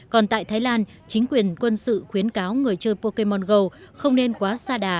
còn tại thái lan chính quyền quân sự khuyến cáo người chơi pokemon go không nên quá xa đà